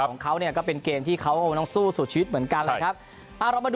แต่ของเขาก็เป็นเกมที่เขาต้องสู้สุดชีวิตเหมือนกันนะครับ